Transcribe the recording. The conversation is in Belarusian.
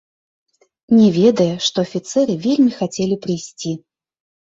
Не ведае, што афіцэры вельмі хацелі прыйсці.